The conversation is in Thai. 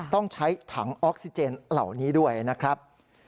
ต้องใช้ถังออกซิเจนเหล่านี้ด้วยนะครับ